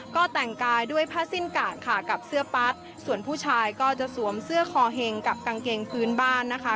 ก็แต่งกายด้วยผ้าสิ้นกะค่ะกับเสื้อปั๊ดส่วนผู้ชายก็จะสวมเสื้อคอเห็งกับกางเกงพื้นบ้านนะคะ